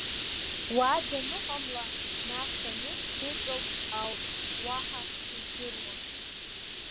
Уа даныҟамла, нас анышә дыҵалт ауп, уаҳа сыздыруам.